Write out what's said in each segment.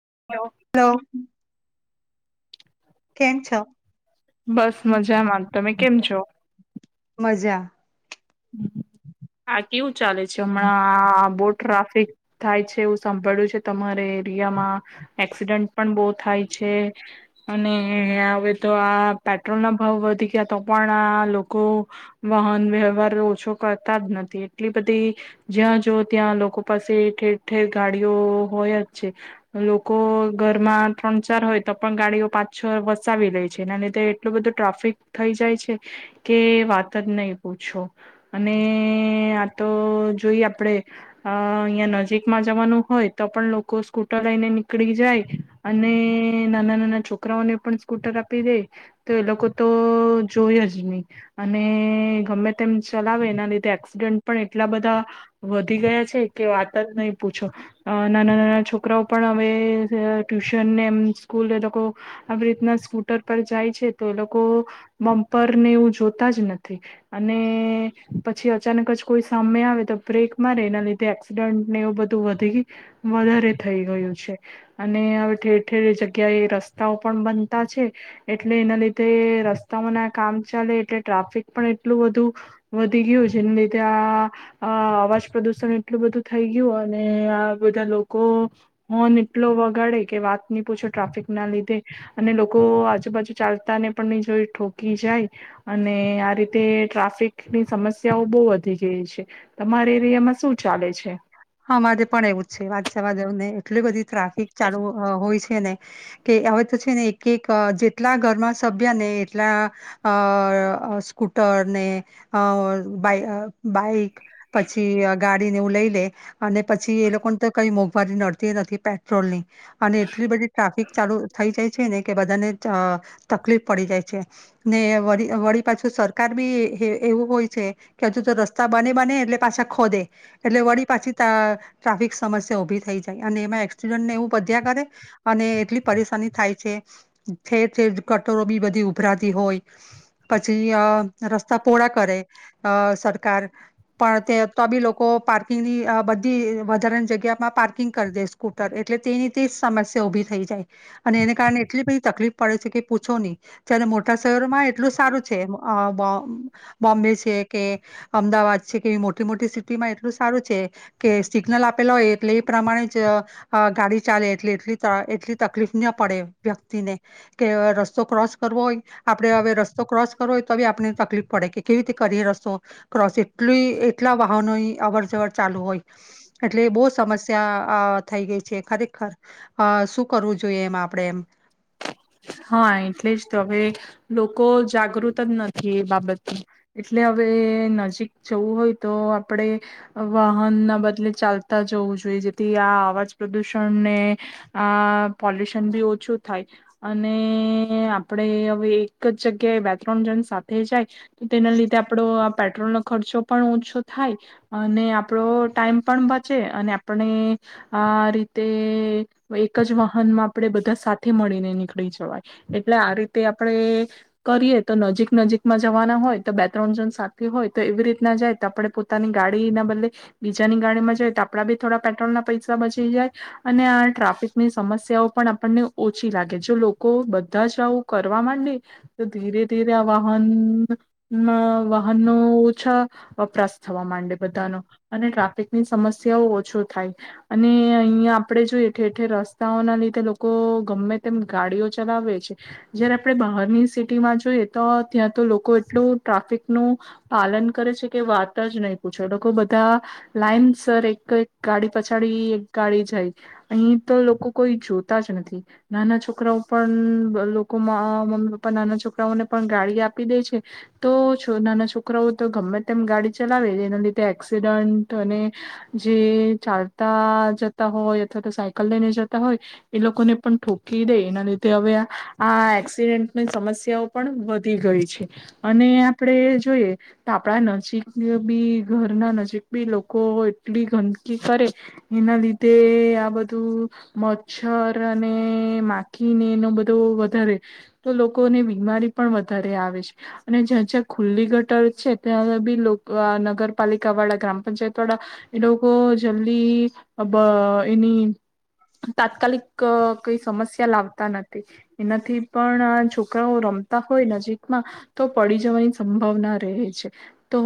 [unintelligible] કેમ છો બસ મજામાં. તમે કેમ છો? મજા આ કેવું ચાલે છે હમણાં? આ બો ટ્રાફિક. થાય છે એવું સાંભળ્યું છે તમારે એરિયામાં એક્સિડન્ટ પણ બહુ થાય છે. અને હવે તો આ પેટ્રોલના ભાવ વધી ગયા તો પણ આ લોકો વાહન વ્યવહાર ઓછો કરતા જ નથી એટલી બધી જ્યાં જોવો ત્યાં લોકો પાસે ઠેર ઠેર ગાડીઓ હોય જ છે. લોકો ઘરમાં ત્રણ ચાર હોય તો પણ ગાડીઓ પાછ છ વસાવી લે છે. ત્યા એટલું બધું ટ્રાફિક થઈ જાય છે. કે વાત જ નહીં પૂછો. અને આ તો જોઈ આપડે અ અહીં નજીકમાં જવાનું હોય તો પણ લોકો સ્કૂટર લઈને નીકળી જાય અને નાના નાના છોકરાઓને પણ સ્કૂટર આપી દે તો એ લોકો તો જોય જ નહી અને ગમે તેમ ચલાવે એના લીધે એક્સિડન્ટ પણ એટલા બધા વધી ગયા છે કે વાત જ નહી પૂછો નાના નાના છોકરાઓ પણ હવે ટ્યુશન ને એમ સ્કૂલ એ લોકો આવી રીતના સ્કૂટર પર જાય છે. તો એ લોકો બમ્પર ને એવું જોતા જ નથી. અને પછી અચાનક જ કોઈ સામે આવે તો બ્રેક મારે એના લીધે એક્સિડન્ટને એવું બધું વધી વધારે થઈ ગયું છે અને હવે ઠેર ઠેર જગ્યાએ રસ્તાઓ પણ બનતા છે એટલે એના લીધે રસ્તાઓના કામ ચાલે એટલે ટ્રાફિક પણ એ એટલું બધું વધી ગ્યું જેને લીધે આ અવાજ પ્રદુષણ એટલું બધું થઈ ગીયુ અને આ બધા લોકો હોન એટલો વગાડે કે વાત નહી પૂછો ટ્રાફિક ના લીધે અને લોકો આજુબાજુ ચાલતા ને પણ નહી જોઈ ઠોકી જાય અને આ રીત તે ટ્રાફિક ની સમસ્યાઓ બહુ વધી ગઈ છે, તમારે એરિયામાં શું ચાલે છે? હા અમારે પણ એવું છે વાત જવા દો ને. એટલી બધી ટ્રાફિક અ ચાલુ હોય છે. છેને કે હવે તો છે ને એક એક જેટલા ઘરમાં સભ્ય ને એટલા આ અ સ્કૂટર આ ને અ બાઈ બાઈક. પછી અ ગાડી ને એવુ‌ લઈ લે. અને પછી એ લોકોને તો કઈ મોંઘવારી નડતી નથી પેટ્રોલ ની. અને એટલી બધી ટ્રાફિક ચાલુ થઇ જાય. ને કે બધાને અ તકલીફ પડી જાય છે. ને વળી વળી પાછું સરકાર બી એવું હોય છે કે હજુ જો રસ્તા બને બને એટલે પાછા ખોદે એટલે વળી પછી ત ટ્રાફિક સમસ્યા ઉભી થઈ જાય અને એમાં એક્સિડન્ટને એવું બધ્યા કરે અને એટલી પરેશાની થાય છે. ઠેર ઠેર કટરો બી બધી ઉભરાતી હોય પછી અ રસ્તા પોડા કરે સરકાર પણ તે તો બી લોકો પાર્ક બધી વધારાની જગ્યામાં પાર્કિંગ કરી દે સ્કૂટર એટલે તેની તે જ સમસ્યા ઉભી થઈ જાય અને એને કારણે એટલી બધી તકલીફ પડે છે કે પૂછો નહી ત્યારે મોટા સાયરોમાં એ એટલું સારું છે. અ બ. [inaudible] બોમ્બે છે કે અમદાવાદ છે કે એ મોટી મોટી સિટી મેટ્રો સીટીમાં. [unintelligible] હારુ છે કે સિગ્નલ આપેલા હોય એટલે એ પ્રમાણે જ અ ગાડી ચાલે એટલે એટલી એટલી તકલીફ ના પડે વ્યક્તિને કે રસ્તો ક્રોસ કરવો હોય આપણે હવે રસ્તો ક્રોસ કરવો હોય તો બી આપણે તકલીફ પડે કે કેવી રીતે કરીએ રસ્તો ક્રોસ એટલી એટલા વાહનો અવર જ્વર ચાલુ હોય એટલે બો સમસ્યા અ થઈ ગઈ છે ખરેખર. અ શું કરવું જોઈએ એમ આપડે એમ? હા એટલે જ તો હવે લોકો જાગૃત જ નથી એ બાબતમાં એટલે હવે નજીક જવું હોય તો આપણેે વાહન ના બદલે ચાલતા જવું જોઈએ જેથી આ અવાજ પ્રદુષણને આ પોલ્યુશન બી ઓછું થાય. અને આપડે હવે એક જ જગ્યાએ બે ત્રણ જણ સાથે જાય તેના લીધે આપડો આપ પેટ્રોલનો ખર્ચો પણ ઓછો થાય અને આપણો ટાઈમ પણ બચે અને આપણે આ રીતે એકજ વાહનમાં આપણે બધા સાથે મળીને નીક દઈ જવાય એટલે આ રીતે આપણે કરીએ તો નજીક-નજીકમાં જવાના હોય તો બે ત્રણ જણ સાથે હોય તો એવી રીતના જાય તો આપણે પોતાની ગાડીના બદલે બીજાની ગાડીમાં જાય તો આપડા બી થોડા પેટ્રોલ ના પૈસા બચી જાય અને આ ટ્રાફિકની સમસ્યાઓ પણ આપણને ઓછી લાગે છે. જો લોકો બધાજ આવું કરવા માંડે તો ધીરે ધીરે આ વાહનનો વાહનનો ઓછા વપરાશ થવા માંડે બધાનો અને ટ્રાફિકની સમસ્યાઓ ઓછો થાય અને અહીંયા આપણેે જો ઠેર ઠેર રસ્તાઓના લીધે લોકો ગમે તેમ ગાડીઓ ચલાવે છે. જયારે આપડે બહારની સિટીમાં જોઇ જોઈએ તો ત્યાં તો લોકો એટલું ટ્રાફિકનું પાલન કરે છે કે વાતા જ નહી પૂછો. લોકો બધા લાઈસર એક એક ગાડી પછાડી એક ગાડી જાય. અહી તો લોકો કોઈ જોતા જ નથી. નાના છોક છોકરાઓ પણ લોકોમાં-મમ્મી પપ્પા નાના છોકરાઓને પણ ગાડી આપી દેય છે, તો નાના છોકરાઓ તો ગમે તેમ ગાડી ચલાવે. એના લીધે એક્સિડન્ટ અને જે ચાલતા જતા હોય અથવા તો સાયકલ લઈને જતા હોય, એ લોકોને પણ ઠોકી દેય. એના લીધે હવે આ-આ એક્સિડેન્ટની સમસ્યાઓ પણ વધી ગઈ છે. અને આપડે જોઈએ તો આપણા નજીક બી ઘરના નજીક બી લોકો એટલી ગંદકી કરે એના લીધે આ બધું મચ્છર અને મા ખીને એનો બધો વધારે. તો લોકોને બીમારી પણ વધારે આવે છે. અને જ્યાં-જ્યાં ખુલ્લી ગટર છે, ત્યાં બી આ નગરપાલિકા વાળા ગ્રામ પંચાયત વાળા એ લોકો જલ્દી અબ એની તાત્કાલિક ક કોઈ સમ ત્યાં લાવતા નથી. એનાથી પણ આ છોકરાઓ રમતા હોય નજીકમાં તો પડી જવાની સંભાવના રહે છે. તો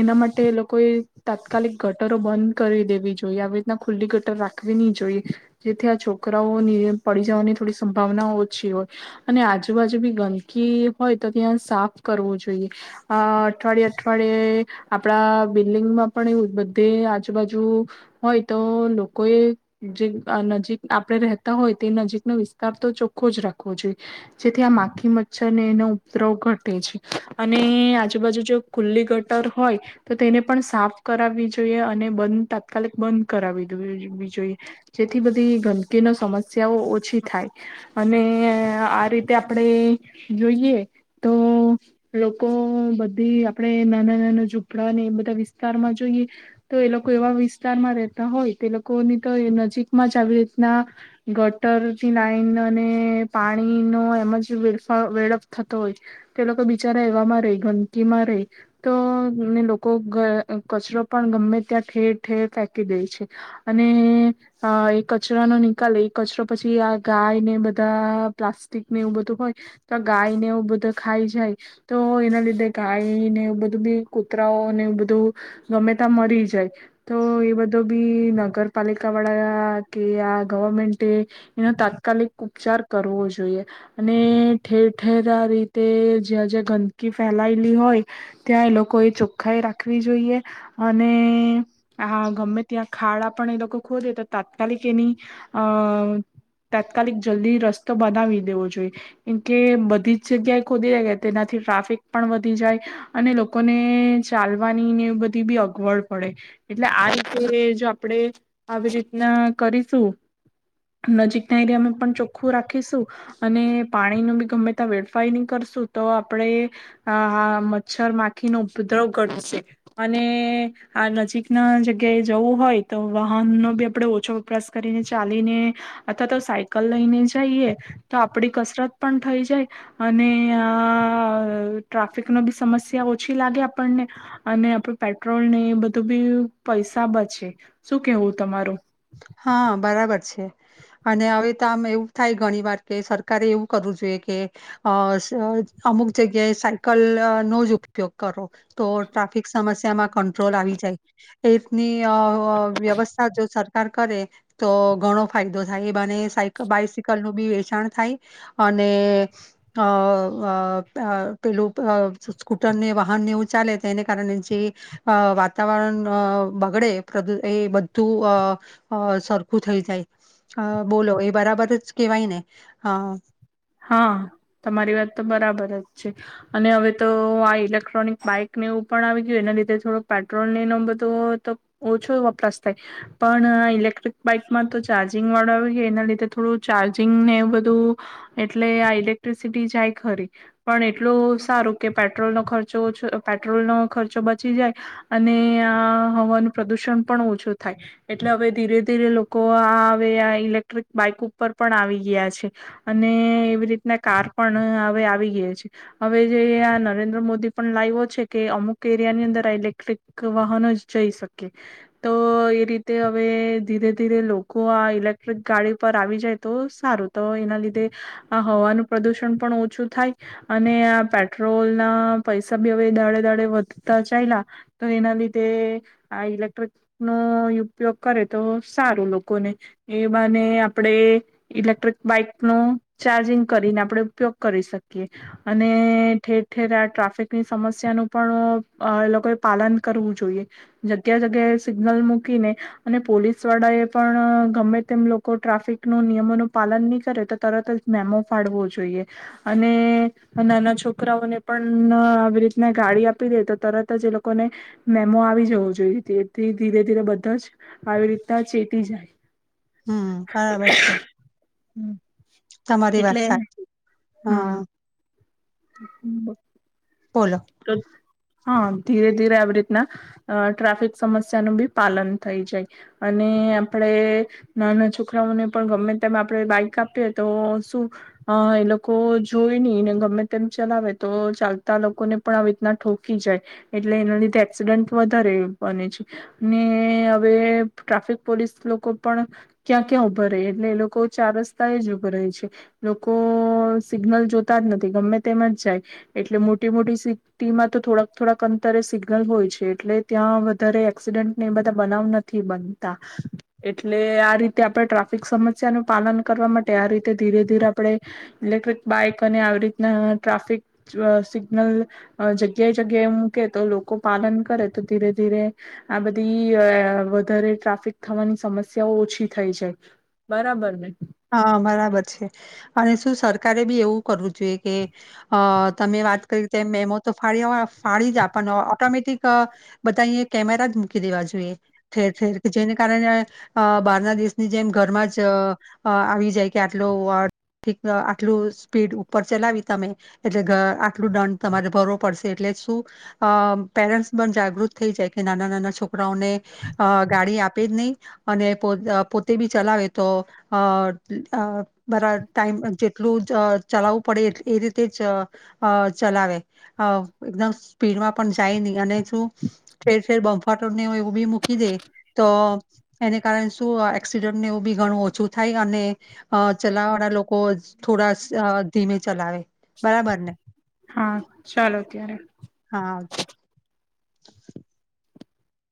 એના માટે એ લોકોએ તાત્કાલિક ગટરો બંધ કરી દેવી જોઈએ, આવી રીતના ખુલ્લી ગટર રાખવી ની જોઈએ. જેથી આ છોકરાઓની પડી જવાની થોડી સંભાવના ઓછી હોય. અને આજુબાજુ બી ગંદકી હોય તો ત્યાં સાફ કરવું જોઈએ. આહ અઠવાડિયે-અઠવાડિયે આપણા બિલ્ડિંગમાં પણ એવું જ, બદ્ધે આજુબાજુ હોય તો લોકોએ જે નજીક આપણે રહેતા હોય તે નજીકનો વિસ્તાર તો ચોખ્ખો જ રાખવો જોઈએ. જેથી આ માખી મચ્છરને એનો ઉપદ્રવ ઘટે છે. અને આજુબાજુ જો ખુલ્લી ગટર હોય તો તેને પણ સાફ કરાવવી જોઈએ અને બંધ તાત્કાલિક બંધ કરાવી દેવી-દેવી જોઈએ. જેથી બધી ગંદકી નો સમસ્ મસ્યાઓ ઓછી થાય. અને આ રીતે આપણે જોઈએ તો લોકો બધી આપણે નાના-નાના ઝૂપડા ને એ બધા વિસ્તારમાં જોઈએ તો એ લોકો એવા વિસ્તારમાં રહેતા હોય, તો લોકોની તો એ નજીકમાં જ આવી રીતના ગટરની લાઈન અને પાણીનો એમ જ વેડફડ વેડપ થતો હોય. તે લોકો બિચારા એવામાં રેય, ગંદકીમાં રેય. તો ને લોકો કચરો પણ ગમ્મે ત્યાં ઠેર-ઠેર ફેંકી દેય છે. અને એ કચરાનો નિકાલ એક કચરો પછી આ ગાયને બધા પ્લાસ્ટિકને એવું બધું હોય, તો આ ગાય ને એવું બધું ખાઈ જાય, તો એના લીધે ગાયને એવું બધું બી કૂતરાઓને એવું બધું, ગમે તાં મરી જાય. તો એ બધો બી ન નગરપાલિકાવાળા કે આ ગવર્મેન્ટ તે એનો તાત્કાલિક ઉપચાર કરવો જોઈએ. અને ઠેર-ઠેર આ રીતે જ્યાં-જ્યાઃ ગંદકી ફેલાયેલી હોય, ત્યાં એ લોકોએ ચોખ્ખાઈ રાખવી જોઈએ અને આ ગમ્મે ત્યાં ખાડા પણ એ લોકો ખોદે, તાત્કાલિક એની અહ તાત્કાલિક જલ્દી રસ તો બનાવી દેવો જોઈએ. કેમકે બધી જ જગ્યાએ ખોદી નાખે, તેનાથી ટ્રાફિક પણ વધી જાય અને લોકોને ચાલવાની ને એવી બધી બી અગવડ પડે. એટલે આ રીતે જો આપણેે આવી રીતના કરીશું નજીકના એરિયામાં પણ ચોખ્ખું રાખીશું અને પાણી નો બી ગમે ત વેડફાય ન કરશું તો આપડે આ-આ મચ્છર માખી નો ઉપદ્રવ ઘટશે, અને આ નજીક ના જગ્યાએ જવું હોય તો વાહનનો બી આપણે ઓછો વપરાશ કરીનેજ ચાલીને અથવા તો સાયકલ લઈને જઈએ તો આપડી કસરત પણ થઈ જાય, અને આઅ ટ્રાફિક નો બી સમસ્યા ઓછી લાગે આપણને અને આપડું પેટ્રોલ ને એ બધું બી પૈસા બચે. શું કેવું તમારું? હા, બરાબર છે અને હવે તો આમ એવું થાય ઘણી વાર કે સરકારે એવું કરવું જોઈએ કે અહ સજ અમુક જગ્યાએ સાયકલ નો જ ઉપયોગ કરો, તો ટ્રાફિક સમસ્યામાં કંટ્રોલ આવી જાય. એ રીતની આહ-આહ વ્યવસ્થા જો સર કાર કરે તો ઘણો ફાયદો થાય. એ બહાને એ સાઇક બાયસકલ નું બી વેચાણ થાય અને અહ-અહ-અહ પેલું અહ સ્કૂટર ને વાહનને એવું ચાલે તેને કારણે જે અહ વાતાવરણ અહ બગડે પ્રદૂ એ બધું અહ અહ સરખું થઈ જાય. અહ બોલો એ બરાબર જ કેહેવાય ને? આહ હા, તમારી વાત તો બરાબર જ છે. અને હવે તો આ ઇલેક્ટ્રોનિક બાઈકને એવું પણ આવી ગયું એના લીધે થોડો પેટ્રોલ ને નો બધો ઓછો વપરાશ થાય, પણ ઇલેક્ટ્રિક બાઈકમાં તો ચાર્જિંગ વાળો આવી ગયો એના લીધે થોડું ચાર્જિંગને બધું એટલે આ ઇલેક્ટ્રિસિટી જાય ખરી, પણ એટલું સારું કે પેટ્રોલનો ખર્ચો ઓછો, પેટ્રોલનો ખર્ચો બચી જાય અને આ હવાનું પ્રદુષણ પણ ઓછું થાય. એટલે હવે ધીરે-ધીરે લોકો હવે આ ઇલેક્ટ્રિક બાઈક ઉપર પણ આવી ગયા છે. અને એવી રીતના કાર પણ હવે આવી ગયા છે. હવે જે આ નરેન્દ્ર મોદી પણ લાઈવો છે કે અમુક એરિયાની અંદર આ ઇલેક્ટ્રિક વાહનો જ જઈ શકીએ. તો એ રીતે હવે ધીરે-ધીરે લોકો આ ઇલેક્ટ્રિક ગાડી પર આવી જાય તો સારું, તો એના લી તે આ હવાનું પ્રદુષણ પણ ઓછું થાય અને આ પેટ્રોલ ના પૈસા ભી હવે દાડે-દાડે વધતા ચાઇલા તો એના લીધે આ ઇલેક્ટ્રિક નો ઉપયોગ કરે તો સારું લોકોને, એ બાને આપણે ઇલેક્ટ્રિક બાઈક નો ચાર્જિંગ કરીને આપણે ઉપયોગ કરી શકીએ અને ઠેર-ઠેર આ ટ્રાફિકની સમસ્યા નું પણ અહ એ લોકોએ પાલન કરવું જોઈએ. જગ્યા-જગ્યાએ સિગ્નલ મૂકીને અને પોલીસ વાળા એ પણ અ ગમે તેમ લોકો ટ્રાફિક નો નિયમોનું પાલન નહી કરે તો તરત જ મેમો ફાળવો જોઈએ, અને નાના છોકરાઓને પણ અ આવી રીતના ગાડી આપી દે તો તરત જ એ લોકોને મેમો આવી જવો જોઈએ. તેથી ધીરે-ધીરે બધાજ આવી રીતના ચેટી જાય. હમ્મ, બરાબર છે. હમ્મ. તમારી વાત સાચી હા. હમ બોલો. તો હા ધીરે ધીરે આવી રીતના ટ્રાફિક સમસ્યાનું બી પાલન થઈ જાય અને આપણે નાના છોકરાઓને પણ ગમે, તેમ આપણે બાઈક આપીએ તો શું એ લોકો જોઈ નહી ગમે તેમ ચલાવે તો ચાલ તા લોકોને પણ આવી રીતના ઠોકી જાય એટલે એના લીધે એક્સિડન્ટ વધારે બને છે અને હવે ટ્રાફિક પોલીસ લોકો પણ ક્યાં-ક્યાં ઉભા રેય એટલે એ લોક લોકો ચાર રસ્તા એ જ ઉભા રહે છે. લોકો સિગ્નલ જોતા જ નથી, ગમે તેમજ જાય, એટલે મો ટી મોટી સી ટી તો થોડાક થોડાક અંતરે સી ગ્નલ હોય છે એટલે ત્યાં વધારે એક્સિડન્ટને એ બધા બનાવ નથી બનતા, એટલે આ રીતે આપણે ટ્રાફિક સમસ્યાનું પાલન કરવા માટે આ રીતે ધીરે ધીરે આપણે ઇલેક્ટ્રિક બાઈક અને આવી રીતના ટ્રાફિક અહ સિ ગ્નલ જગ્યાએ જગ્યાએ મૂકે તો લોકો પાલન કરે તો ધીરે ધીરે આ બધી અહ વધારે ટ્રાફિક થવાની સમસ્યાઓ ઓછી થઈ જાય, બરાબર ને? કારે બી એવું કરવું જોઈએ કે અહ તમે વાત કરી તેમ મેમો તો ફાળ્યો હો ફાળી જ આપવાનો, ઓટોમેટિક બધા અહિંયા કેમેરા જ મૂકી દેવા જોઈએ ઠેર ઠેર, જેને કારણે અહ [unintelligible] ની જેમ ઘરમાં જ અહ અહ આવી જાય કે આટલું વાર ઠીક્ન આટલું સ્પીડ ઉપર ચલાવી તમે એટલે ગ આટલું દંડ તમારે ભરવું પડશે, એટલે શું પેરેન્ટ્સ પણ જાગૃત થઈ જાય કે નાના નાના છોકરાઓને અહ ગાડી આપે જ નહીં અને પો પોતે બી ચલાવે તો અહ બરા ટાઈમ પર જેટલું ચ ચલાવવું પડે એટ એ રીતે જ અહ ચલાવે, અહ એકદમ સ્પીડમાં પણ જાય નહી અને શું ઠેર ઠેર બંફાટનો હોય એવું બી મૂકી દે તો એને કારણે સ તો આ એક્સસીડેન્ટ ને એવું બી ઘણું ઓછું થાય અને અહ ચલાવવા વાળા લોકો થોડા સ અહ ધીમે ચલાવે. બરાબર ને હા ચાલો ત્યારે હા.